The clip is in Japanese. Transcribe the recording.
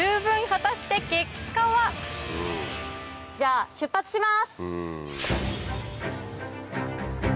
果たして結果はじゃあ出発します！